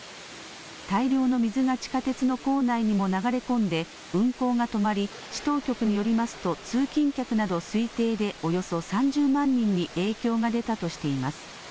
大量の水が地下鉄の構内にも流れ込んで運行が止まり市当局によりますと通勤客など推定でおよそ３０万人に影響が出たとしています。